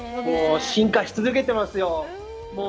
進化し続けてますよ。